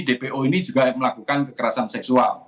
dpo ini juga melakukan kekerasan seksual